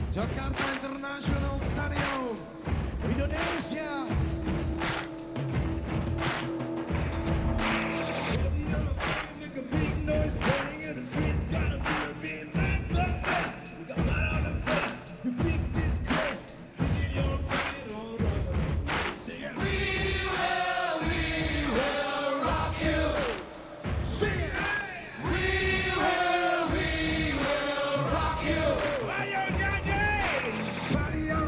jakarta international stadium stadion kita